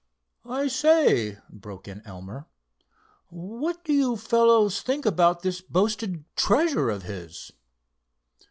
"I say," broke in Elmer; "what do you fellows think about this boasted treasure of his?"